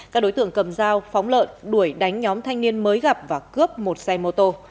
các đối tượng cầm dao phóng lợn đuổi đánh nhóm thanh niên mới gặp và cướp một xe mô tô